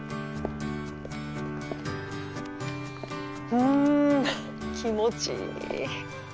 うん気持ちいい。